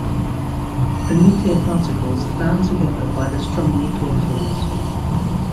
The nuclear particles are bound together by the strong nuclear force.